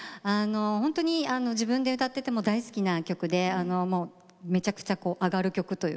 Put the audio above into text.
ほんとに自分で歌ってても大好きな曲でめちゃくちゃ上がる曲というか。